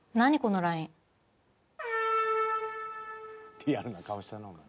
リアルな顔したなお前。